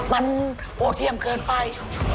มันโหดเที่ยมเกินไป